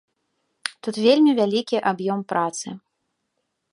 Тут вельмі вялікі аб'ём працы.